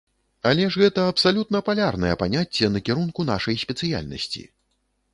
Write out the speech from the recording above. Але ж гэта абсалютна палярнае паняцце накірунку нашай спецыяльнасці!